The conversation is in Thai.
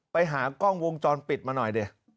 ไปหากล้องวงจรปิดมาหน่อยดิ